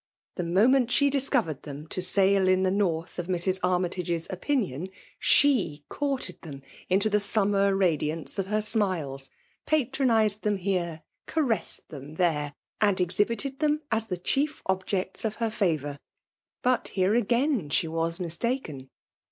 The moment she discovered them to sail in tJ^e north of Mrs. Armytage's opinion, tAe courted FBHAUS DOMINATION. 273 « them into the summer radiance of her smiles; patronized them here ^arcssed them here, and exhibited them as the chief objects of her favour. But here again she was mistaken.